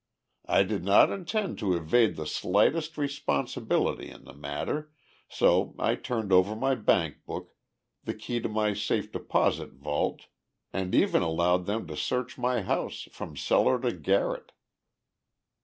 "I did not intend to evade the slightest responsibility in the matter, so I turned over my bankbook, the key to my safe deposit vault and even allowed them to search my house from cellar to garret."